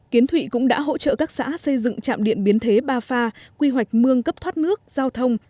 kiến thụy cũng đã hỗ trợ các xã xây dựng trạm điện biến thế ba pha quy hoạch mương cấp thoát nước giao thông